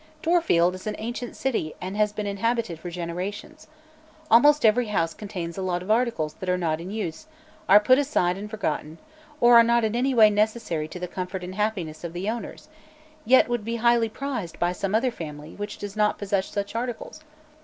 Dorfield is an ancient city and has been inhabited for generations. Almost every house contains a lot of articles that are not in use are put aside and forgotten or are not in any way necessary to the comfort and happiness of the owners, yet would be highly prized by some other family which does not possess such articles.